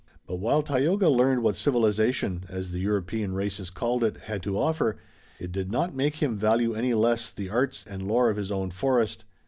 But while Tayoga learned what civilization, as the European races called it, had to offer, it did not make him value any the less the arts and lore of his own forest.